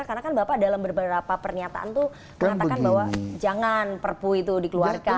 karena kan bapak dalam beberapa pernyataan itu mengatakan bahwa jangan perpu itu dikeluarkan